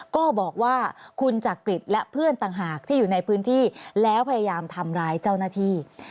ก็บอกว่าคุณจักริตและเพื่อนต่างหากที่อยู่ในพื้นที่แล้วพยายามทำร้ายเจ้าหน้าที่